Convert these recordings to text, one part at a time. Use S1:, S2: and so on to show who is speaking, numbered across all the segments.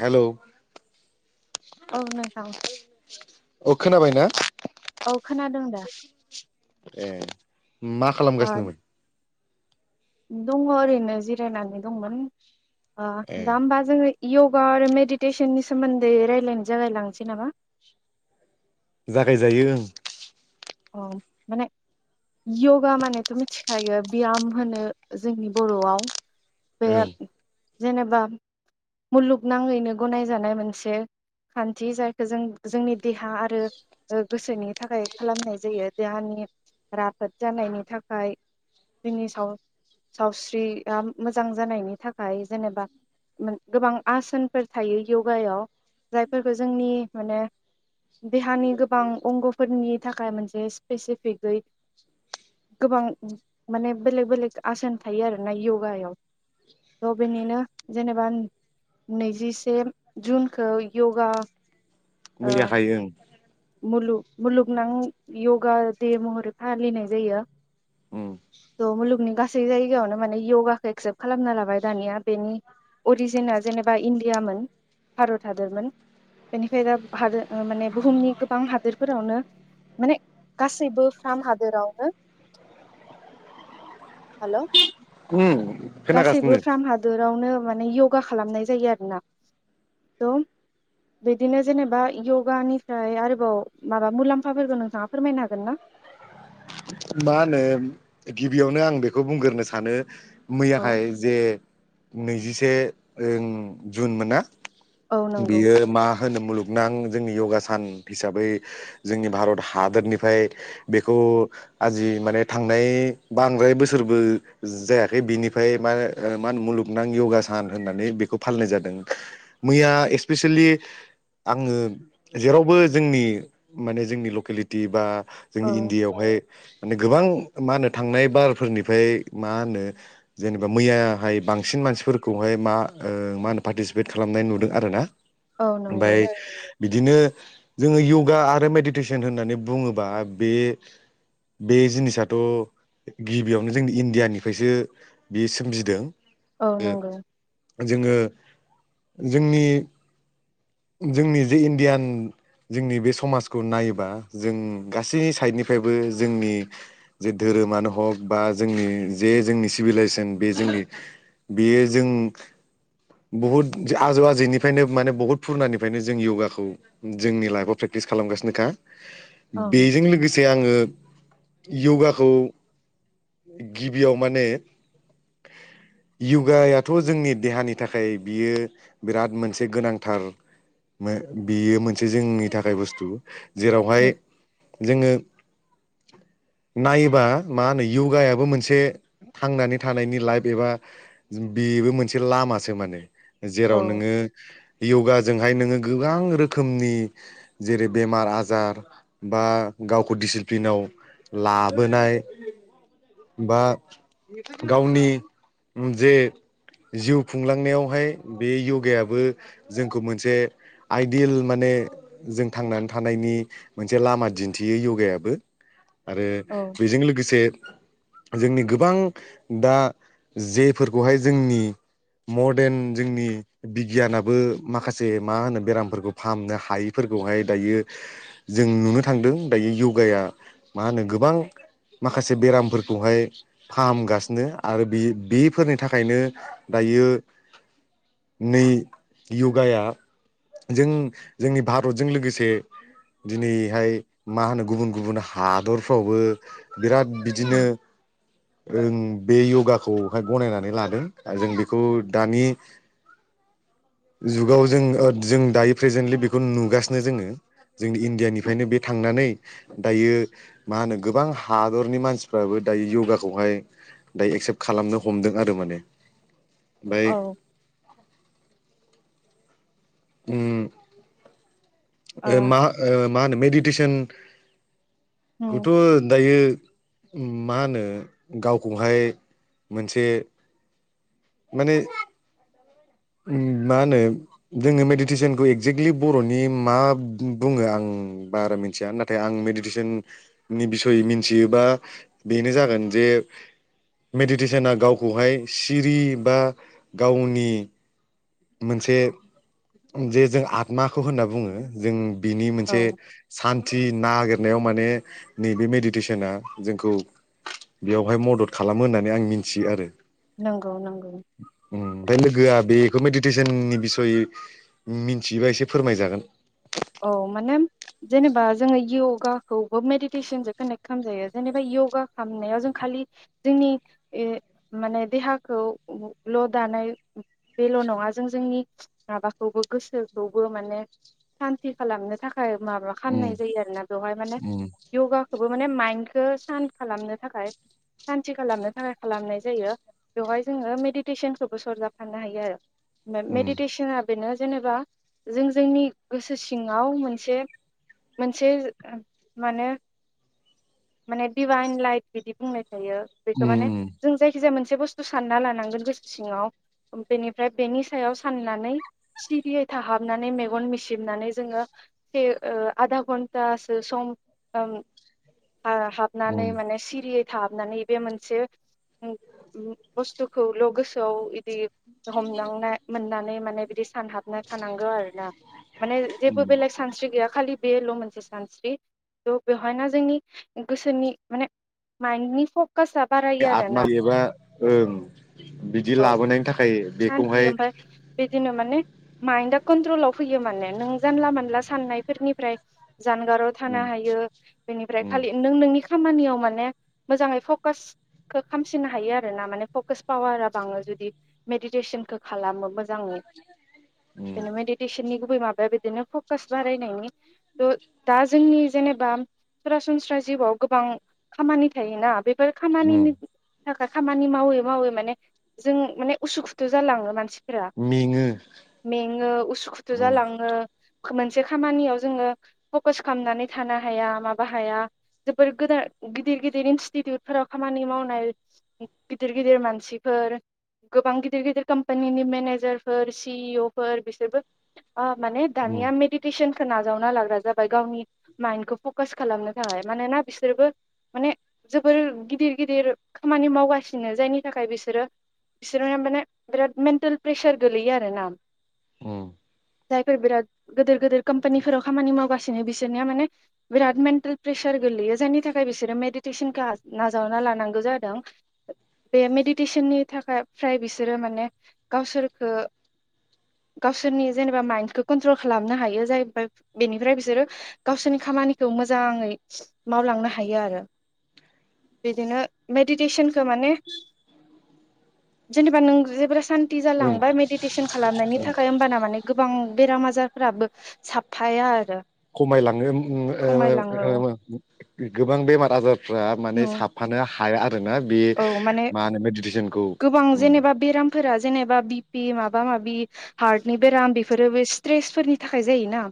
S1: हेल'
S2: औ नोंथां
S1: अ खोनाबायना
S2: औ खोनादों दा?
S1: ए मा
S2: ओ
S1: खालामगासिनोमोन
S2: दङ ओरैनो जिरायनानै दंमोन अ
S1: ए
S2: दा होमबा जोङो य'गा आरो मेडिटेसननि सोमोन्दै रायलायनो जागायलांसै नामा?
S1: जागायजायो ओं
S2: अ माने य'गा मानेथ' मिथिखायो बयाम होनो जोंनि बर'आव बे
S1: ओं
S2: जेनेबा मुलुगनााङैनो गनायजानाय मोनसे खान्थि जायखौ जों जोंनि देहा आरो गोसोनि थाखाय खालामनाय जायो देहानि राफोद जानायनि थाखाय जोंनि सावस्रिया मोजां जानायनि थाखाय जेनेबा गोबां आसोनफोर थायो यगायाव जायफोरखौ जोंनि माने देहानि गोबां अंग'फोरनि थाखाय मोनसे सिपेसिफिकयै गोबां माने बेलेक बेलेक आसन थायो आरोना यगायाव थ' बेनिनो जेनेबा नैजिसे जुनखौ यगा ओ
S1: मैयाहायो ओं
S2: मुलुग मुलुगनां यगा दे महरै फालिनाय जायो
S1: उम
S2: द मुलुगनि गसै गासै जायगायावनो माने य'गाखौ एक्सेप्ट खालामना लाबाय दानिया बेनि अरिजिना जेनेबा इण्डियामोन भारत हादोरमोन बेनिफ्राय दा हाद माने बुहुमनि गोबां हादोरफोरावनो माने गासैबो फार्म हादोरावनो हेलौ
S1: उम
S2: गासैबो
S1: खोनागासिनो
S2: फ्राम हादरावनो मने योगा खालामनाय जायो आरोना थ बिदिनो जेनेबा योगानिफ्राय आरो अ माबा मुलाम्फाफोरखौ नोंथा फोरमायनो हागोन ना
S1: मा होनो गिबियावनो आं बेखौ बुंग्रोनो सानो
S2: औ
S1: मैयाहाय जे नैजिसे ओ जुन मोनना
S2: औ नंगौ
S1: बियो मा? होनो मुलुगनां जोंनि योगा सान हिसाबै जोंनि भारत हादरनिफ्राय बेखौ आजि माने थांनाय बांद्राय बोसोरबो जायाखै बिनिफ्राय मा मा होनो मुलुगनां योगा सान होननानै बेखौ फालिनाय जादों मैया इस्पेसेेलि आङो जेरावबो जोंनि माने जोंनि लकेलिटि बा
S2: औ
S1: जोंनि इण्डियायावहाय गोबां मा होनो थांनाय बारफोरनिफ्राय मा होनो जेनेबा मैयाहाय बांसिन मानसिफोरखौहाय मा ओ मा होनो पार्टिसिपेट खालामनाय नुदों आरोना
S2: औ नंगौ
S1: ओमफाय बिदिनो जोङो योगा आरो मेडिटेसन होननानै बुङोबा बे बे जिनिसाथ' गिबियावनो जोंनि इण्डियानिफ्रायसो बेयो सोमजिदों
S2: औ नंगौ
S1: ओ जोङो जोंनि जोंनि जे इण्डियान जोंनि बे समाजखौ नायोबा जों गासै साइडनिफ्रायबो जोंनि जे धोरोमानो हक बा जोंनि जे जोंनि सिभिलाइजेसन बे जोंनि बेयो जों बहुद आजौ आजैनिफ्रायनो माने बहुद फुरनानिफ्रायनो जों योगाखौ जोंनि लाइफआव प्रेकटिस खालामगासिनोखा
S2: औ
S1: बेजों लोगोसे आङो यगाखौ गिबियाव माने यगायाथ' जोंनि देहानि थाखाय बियो बिराद मोनसे गोनांथार बियो मोनसे जोंनि थाखाय बुस्थु जेरावहाय
S2: औ
S1: जोङो नायोबा मा होनो यगायाबो मोनसे थांनानै थानायनि लाइफ एबा बेबो मोनसे लामासो माने जेराव नोङो योगा जोंहाय नोङो गोबां रोखोमनि जेरै बेमार आजार बा गावखौ दिसिप्लिनाव लाबोनाय बा गावनि जे जिउ खुंलांनायावहाय बे यगायाबो जोंखौ मोन मोनसे आइडियेल माने जों थांनानै थानायनि मोनसे लामा दिन्थियो योगायाबो आरो
S2: औ
S1: बेजों लोगोसे जोंनि गोबां दा जेफोरखौहाय जोंनि मदेन जोंनि बिगियानाबो माखा माखसे मा होनो बेरामफोरखौ फाहामनो हायिफोरखौहाय दायो जों नुनो थांदों दायो य'गाया मा होनो गोबां माखासे बेरामफोरखौहाय फाहामगासिनो आरो बे बेफोरनि थाखायनो दायो नै यगाया जों जोंनि भारतजों लोगोसे दिनैहाय मा होनो गुबुन गुबुन हादरफ्रावबो बिराद बिदिनो ओं बे योगाखौहाय गनायनानै लादों ओ जों बेखौ दानि जुगाव जों जों दायो प्रेजेन्टलि बेखौनो नुगासिनो जोङो जोंनि इण्डियानिफ्रायनो बे थांनानै दायो मा होनो गोबां हादरनि मानसिफ्राबो दायो य'गाखौहाय दायो एक्सेप्ट खालामनो हमदों आरो माने ओमफ्राय
S2: औ
S1: उम
S2: औ
S1: मा ओ मा होनो मेदि तिसन
S2: ओ
S1: खौथ' दायो मा होनो गावखौहाय मोनसे माने मा होनो जोङो मेडिटेसनखौ एक्जेक्टलि बर'नि मा बुङो आं बारा मिथिया नाथाय आं मेडिटेसननि बिसय मिथियोबा बेनो जागोन जे मेडिटेसना गावखौहाय सिरि बा गावनि मोनसे जे जों आत्माखौ होनना बुङो जों बिनि
S2: औ
S1: मोनसे सान्थि नागिर नायाव माने नैबे मेडिटेसना जोंखौ बेयावहाय मदद खालामो होननानै आं मिन्थियो आरो।
S2: नंगौ नंगौ
S1: उम ओमफाय लोगोआ बे बेखौ मेडिटेसननि बिसय मिथियोबा एसे फोरमायजागोन‌।
S2: औ माने जेनेबा जोङो योगाखौबो मेडिटेसनजों कानेक्ट खालामजायो जेनेबा यगा खालामनायाव जों खालि जोंनि ओ माने देहाखौ ल' दानाय बेल' नङा जों जोंनि माबाखौबो गोसोखौबो माने सान्थि खालामनो थाखाय माबा खालामनाय
S1: उम
S2: जायो आरोना बेवहाय माने
S1: उम
S2: यगाखौबो माने माइन्डखौ सान्त खालामनो थाखाय सान्ति खालामनो थाखाय खालामनाय जायो बेवहाय जोङो मेडिटेसनखौबो सरजाबफानो हायो आरो।
S1: उम
S2: मेडिटेसनआ बेनो जेनेबा जों जोंनि गोसो सिङाव मोनसे मोनसे माने माने डिभाइन लाइट बिदि बुंनाय जायो बेखो माने
S1: उम
S2: जों जायखिजाया मोनसे मोनसे बुस्थु सानना लानांगोन गोसो सिङाव ओमफाय बेनि सायाव साननानै सिरियै थाहाबनानै मेगन मिसिबनानै जोङो ओ आधा घन्तासो सम हा-हाबनानै
S1: उम
S2: माने सिरियै थाहाबनानै बे मोनसे बुस्थुखौल' गोसोआव इदि हमदांनाय मोननानै नै माने बिदिस सानहाबना थानांगौ आरो ना माने जेबो बेलेग सानस्रि गैया खालि बेल' मोनसे सानस्रि त बेवहायना जोंनि गोसोनि माने माइन्दनि
S1: बे आतमा एबा ओं बिदि
S2: औ
S1: लाबोनायनि थाखाय
S2: सान्थि
S1: बेखौहाय
S2: ओमफाय बिदिनो माइन्दआ कन्ट्रलाव फैयो माने नों जानला मानला साननायफोरनिफ्राय जानगाराव थानो
S1: उम
S2: हायो
S1: उम
S2: बेनिफ्राय नों नोंनि खामानियाव माने मोजाङै फकासखो खामसिननो हायो आरो ना माने फकास पावारा बाङो जुदि मेदिदेसनखो खालामो मोजाङै
S1: उम
S2: बेनो मेदितेसननि गु बै माबाया बिदिनो फ कास बारायनायनि त दा जोंनि जेनेबा सरासनस्रा जिउआव गोबां खामानि थायोना बे बेफोर
S1: उम
S2: खामानिनि थाखाय खामानि मावो मावो माने जों माने उसुखुथु जालाङो मानसि फोरा
S1: मेङो
S2: मेङो उसु खुथु
S1: उम
S2: जालाङो मोनसे खामानियाव जोङो फकास खालामनानै थानो हाया मा हाया जोबोर गोदान गिदिर गिदिर इनस्टिटिउटफोराव खामानि मावनाय गिदिर गिदिर मानसिफोर गोबां गिदिर गिदिर कम्पानिनि मेनेजारफोर सि इअ फोर बिसोरबो अ माने
S1: उम
S2: दानिया मेडिटेसन खौ नाजावना लाग्रा जाबाय गावनि मायेनखौ फ कास खालामनो थाखाय मानोना बिसोरबो माने जोबोर गिदिर गिदिर खामानि मावगासिनो जायनि थाखाय बिसोरो बिसोर माने बिराद मेन्टेल प्रेसार गोलैयो आरोना
S1: अ
S2: जायफोर बिराद गिदिर गिदिर कम्पानिफोराव खामानि मावगासिनो बिसोरनिया माने बिराद मेन्टेल प्रेसार गोलैयो जायनि थाखाय बिसोरो मेडिटेसनखौ नाजावना लानांगौ जादों बे मेडिटेसननि थाखाय फ्राय बिसोरो माने गावसोरखौ गावसोरनि जेनेबा माइन्डखौ कन्ट्रल खालामनो हायो जाय बेनिफ्राय बिसोरो गावसोरनि खामानि खौ मोजाङै मावलांनो हायो आरो बिदिनो मेडिटेसनखौ माने जेनेबा नों जेबोला सान
S1: ओं
S2: जालांबाय मेडिटेसन खालामनायनि थाखाय होनबाना माने गोबां बेराम आजार जारफ्राबो [unintelligible] आरो
S1: खमायलाङो
S2: खमायलाङो
S1: [unintelligible] गोबां बेमार आजार फ्रा माने साफानो हाया आरोना बे
S2: औ माने
S1: मा होनो मेडिटेसनखौ
S2: गोबां
S1: उम
S2: जेनेबा बेरामफोरा जेनेबा बे माबा माबि हार्टनि बेराम बेफोरो बे स्ट्रेसफोरनि थाखाय जायोना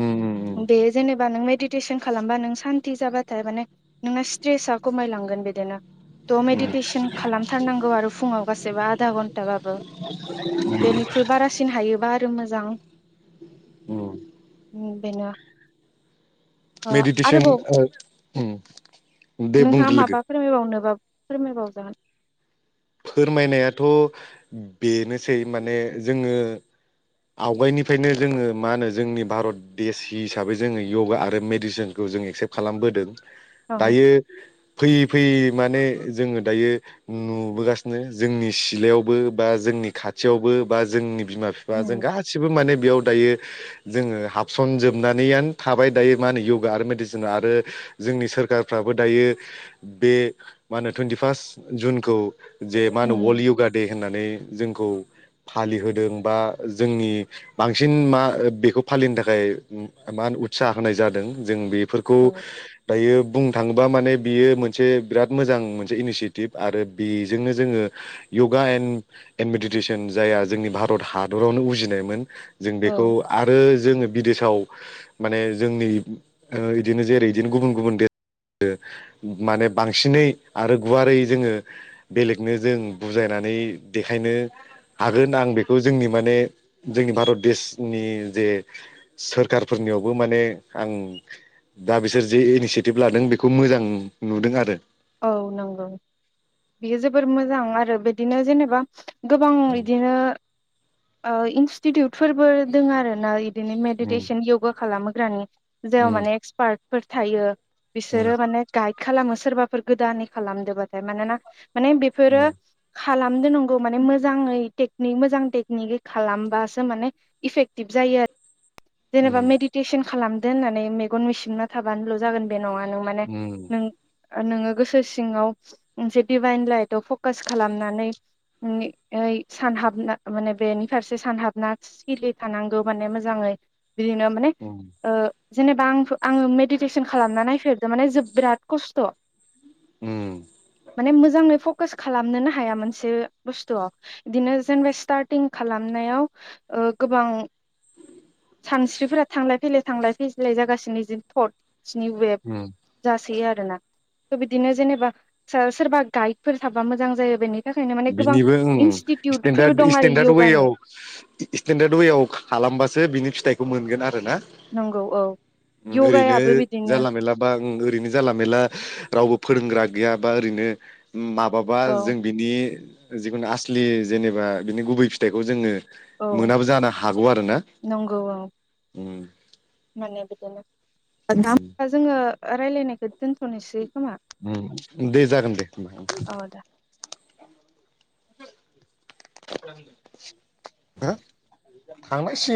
S1: उम उम
S2: दे जेनेबा नों सटेसन खालामबा नों सान्ति जाबाथाय माने नोंना स्ट्रेसा खमायलांगोन बिदिनो थह
S1: उम
S2: मेडिटेसन खालामथारनांगौ आरो फुङाव गासैबो आधा घन्टाबाबो बेनिख्रुइ बारासिन हायोबा [unintelligible] मोजां
S1: उम
S2: ओम बेनो ओ
S1: मेडिटेसन
S2: आरोबाव
S1: ओ ओम
S2: नोंथाङा माबा फोरमायबावनो बा फोरमाय बावजागोन
S1: फोरमायनायाथ' बेनोसै माने जोङो आवगायनिफ्रायनो जोङो मा होनो जोंनि भारत देश हिसाबै जोङो इउ'गा आरो मेडिसनखौ जों एक्सेप खालामबोदों
S2: औ
S1: दायो फैयै फैयै माने जोङो दायो नुबोगासिनो जोंनि सिलायावबो बा जोंनि खाथियावबो बा जोंनि बिमा बिफा जों
S2: उम
S1: गासिबो माने बेयाव दायो जोङो हाबसन जोबनानैआनो थाबाय दायो मा होनो य'गा आरो मेडिसिना आरो जोंनि सोरखारफ्राबो दायो बे मा होनो टुइन्टि फार्ट जुनखौ जे मा होनो अल
S2: उम
S1: य'गा दे होननानै जोंखौ फालिहोदों बा जोंनि बांसिन मा बेखौ फालिनो थाखाय मा होन उत्साह होनाय जादों जों बे फोरखौ
S2: औ
S1: दायो बुंनो थाङोबा माने बियो मोनसे बिराद मोजां मोनसे इनिसियेटिभ आरो बे जोंनो जोङो य'गा एन ए मेडिटेसन जाया जोंनि भारत हादरावनो उजिनायमोन जों बेखौ
S2: औ
S1: आरो जोङो बिदेश साव माने जोंनि ओ इदिनो जेरै बिदिनो गुबुन गुबुन माने बांसिनै आरो गुवारै जोङो बेलेगनो जों बुजायनानै देखायनो हागोन आं बेखौ जोंनि माने जोंनि भारत देशनि जे सोरखारफोरनियावबो माने आं दा बिसोर जे इनिसियेटिभ लादों बेखौ मोजां नुदों आरो
S2: औ नंगौ बियो जोबोर मोजां आरो बिदिनो जेनेबा गोबां इदिनो ओ इनस्टिटिउटफोरबो दोङो आरो ना इदिनो
S1: उम
S2: मडिटेसन योगा खालामो [unintelligible] जेयाव
S1: उम
S2: माने एक्सपार्ट फोर थायो बिसोरो
S1: उम
S2: माने गाय खालामो सोरबाफोर गोदानै खालामदोबाथाय मानोना माने बेफोरो खालामदो नांगौ माने मोजाङै टेकनिक मोजां टेकनिकै खालामबासो माने इफेक्टिभ जायो जेनेबा
S1: उम
S2: मेडिटेसन खालाम दो होन्नानै मेगन मिसिबना थाबानोल' जागोन बे नङा नों माने
S1: उम
S2: नों नोङो गोसो सिङाव मोनसे डिभाइन लाइटआव फकास खालामनानै नै सानहाबना माने बेनि फारसे सानहाबना सिरि थानांगौ माने मोजाङै बिदिनो माने
S1: उम
S2: ओ जेनेबा आं आङो मेडिटेसन खालामना नायफेरदो माने जो बिराद खस्थ'
S1: उम
S2: माने मोजाङै फ कास खालामनोनो हाया मोनसे बुस्थुआव इदिनो जेनेबा स्टारटिं खालामनायाव ओ गोबां सानस्रिफोरा थांलाय फैलाय थांलाय फैजलाय जागासिनो जि थट स्नि वेब
S1: उम
S2: जासोयो आरो ना थ' बिदिनो जेनेबा सो सोरबा गाइडफोर थाबा मोजां जायो बेनि थाखायनो माने गोबां
S1: बिनिबो उम
S2: इनस्टिटिउटफोरबो
S1: स्टेडार्द
S2: दं आरो
S1: स्टेडार्द वेआव
S2: य'गानि
S1: स्टेडार्द वेआव खालामबासो बिनि फि थायखौ मोनगोन आ रोना
S2: नंगौ औ
S1: ओम ओरैनो
S2: य'गायाबो बिदिनो
S1: जानला मेनलाबा ओं ओरैनो जानला मेला रावबो फोरोंग्रा गैया बा ओरैनो माबाबा
S2: औ
S1: जों बिनि जिखुनु आसलि जेनेबा बिनि गुबै फिथाइखौ जोङो
S2: औ
S1: मोनाबो जानो हागौ आरो ना।
S2: नंगौ औ माने बिदिनो [unintelligible]
S1: उम
S2: जोङो ओ रायलायनायखौ दोन्थ'नोसै।
S1: उम दे जागोन दे
S2: औ दे
S1: हो थांनांसिग